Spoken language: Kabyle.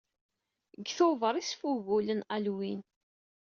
Deg tuber i sfugulen Halloween.